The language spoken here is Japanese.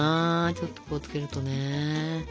ちょっとこう付けるとね。